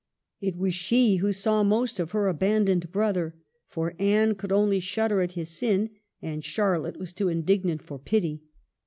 It was she who saw most of her abandoned brother, for Anne could only shudder at his sin, and Charlotte was too indignant for pity.